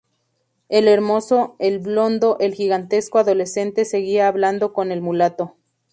el hermoso, el blondo, el gigantesco adolescente, seguía hablando con el mulato